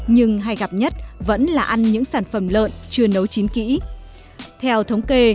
nhưng hay gặp nhất vẫn là ăn những sản phẩm lợn chưa nấu chín kỹ theo thống kê